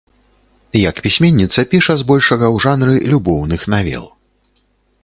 Як пісьменніца піша з большага ў жанры любоўных навел.